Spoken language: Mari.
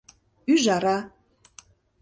ӰЖАРА